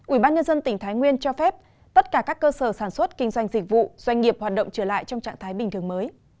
ubnd tỉnh thái nguyên cho phép tất cả các cơ sở sản xuất kinh doanh dịch vụ doanh nghiệp hoạt động trở lại trong trạng thái bình thường mới